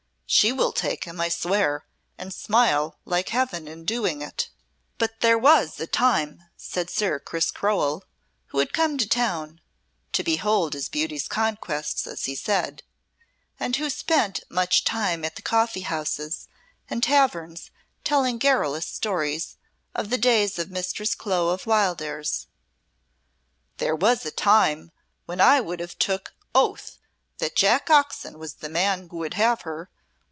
She will take him, I swear, and smile like Heaven in doing it." "But there was a time," said Sir Chris Crowell, who had come to town (to behold his beauty's conquests, as he said) and who spent much time at the coffee houses and taverns telling garrulous stories of the days of Mistress Clo of Wildairs, "there was a time when I would have took oath that Jack Oxon was the man who would have her.